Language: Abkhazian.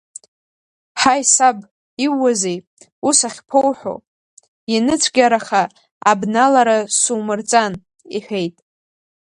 Ҳаи, саб, иууазеи, ус ахьԥоуҳәо, ианыцәгьараха абналара сумырҵан, — иҳәеит.